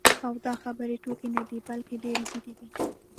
او دا خبرې ټوکې نه دي، بلکې ډېرې جدي دي.